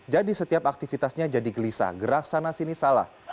jadi setiap aktivitasnya jadi gelisah gerak sana sini salah